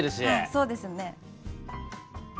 はいそうですね。